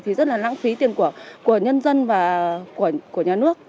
thì rất là lãng phí tiền của nhân dân và của nhà nước